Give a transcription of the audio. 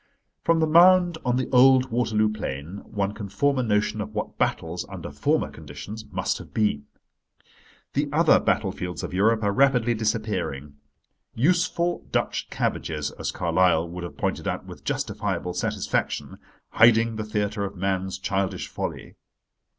From the mound on the old Waterloo plain one can form a notion of what battles, under former conditions, must have been. The other battlefields of Europe are rapidly disappearing: useful Dutch cabbages, as Carlyle would have pointed out with justifiable satisfaction, hiding the theatre of man's childish folly.